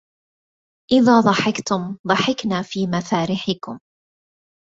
إذا ضحكتم ضحكنا في مفارحكم